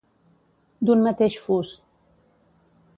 D'un mateix fus.